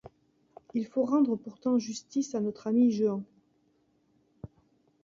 Il faut rendre pourtant justice à notre ami Jehan.